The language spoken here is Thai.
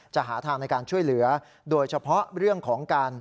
หาทางในการช่วยเหลือโดยเฉพาะเรื่องของการ